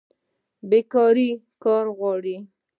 بیکاري کار غواړي